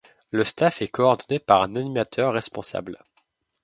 Le staff est coordonné par un animateur responsable.